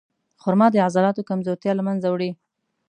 خرما د عضلاتو کمزورتیا له منځه وړي.